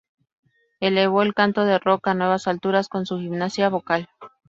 Elevó el canto de rock a nuevas alturas con su gimnasia vocal.